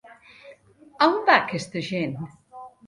A on va aquesta gent?